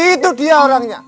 itu dia orangnya